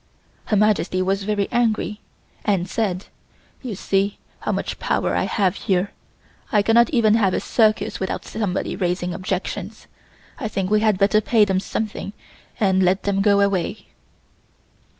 Her Majesty was very angry, and said: "You see how much power I have here; I cannot even have a circus without somebody raising objections. I think we had better pay them something and let them go away."